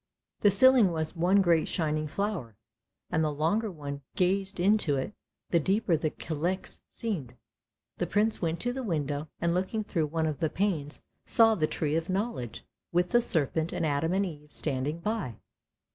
The ceiling was one great shining flower, and the longer one gazed into it the deeper the calyx seemed to be. The Prince went to the window, and looking through one of the panes saw the Tree of Knowledge, with the serpent, and Adam and Eve standing by.